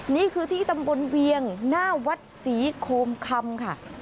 นี่คือที่ตำบลเวียงหน้าวัดศรีโคมคำค่ะ